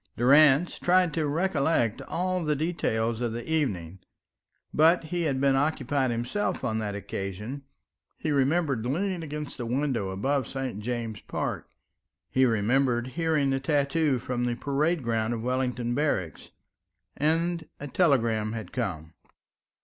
Durrance tried to recollect all the details of the evening; but he had been occupied himself on that occasion. He remembered leaning against the window above St. James's Park; he remembered hearing the tattoo from the parade ground of Wellington Barracks and a telegram had come.